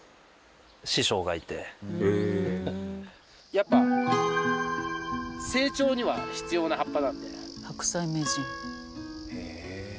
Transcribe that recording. やっぱ成長には必要な葉っぱなんで。